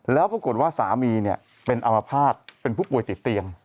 แล้วปรากฏว่าสามีเป็นอามภาษณ์เป็นผู้ป่วยติดเตียง